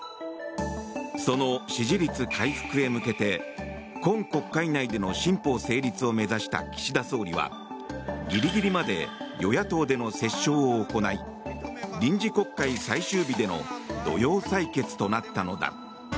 その支持率回復へ向けて今国会内での新法成立を目指した岸田総理はギリギリまで与野党での折衝を行い臨時国会最終日での土曜採決となったのだ。